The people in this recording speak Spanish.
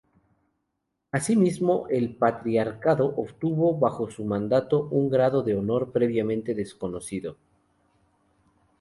Así mismo el patriarcado obtuvo bajo su mandato un grado de honor previamente desconocido.